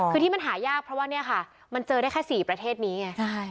คือที่มันหายากเพราะว่าเนี่ยค่ะมันเจอได้แค่๔ประเทศนี้ไง